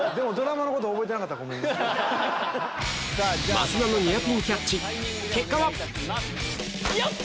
増田のニアピンキャッチ結果は？